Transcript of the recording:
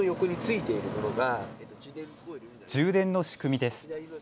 充電の仕組みです。